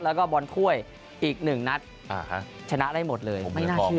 แล้วก็บอลค่วยอีก๑นัทชนะได้หมดเลยไม่น่าเชื่อ